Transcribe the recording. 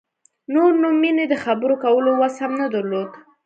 نور نو مينې د خبرو کولو وس هم نه درلود.